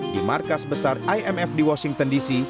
di markas besar imf di washington dc